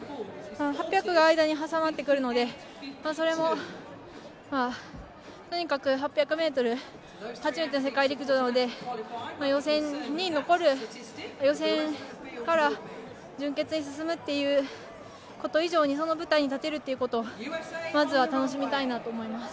８００が間に挟まってくるので、それもとにかく８００ｍ、初めての世界陸上で予選に残る、予選から準決に進むっていうこと以上にその舞台に立てるっていうことをまずは楽しみたいなと思います。